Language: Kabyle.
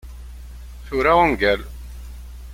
Tura ungal.